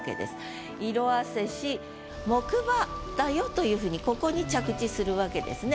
木馬だよというふうにここに着地するわけですね。